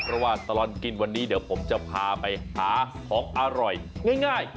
เพราะว่าตลอดกินวันนี้เดี๋ยวผมจะพาไปหาของอร่อยง่าย